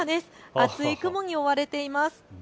厚い雲に覆われています。